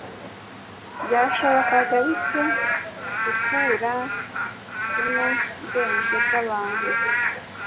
Byashoboka bite gukura tnu bwenge bw'abantu